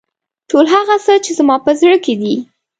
ټول هغه څه چې زما په زړه کې دي.